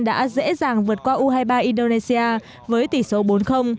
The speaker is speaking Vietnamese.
đã dễ dàng vượt qua u hai mươi ba indonesia với tỷ số bốn